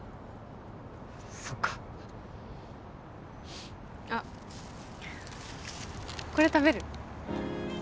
そっかあっこれ食べる？